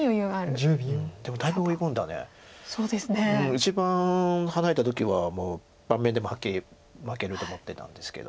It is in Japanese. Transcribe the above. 一番離れた時はもう盤面でもはっきり負けると思ってたんですけど。